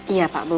iya pak bu